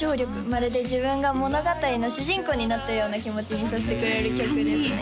まるで自分が物語の主人公になったような気持ちにさせてくれる曲ですね